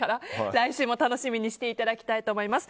来週も楽しみにしていただきたいと思います。